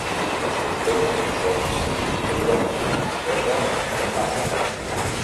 Les costelles són significativament esteses i ben marcades.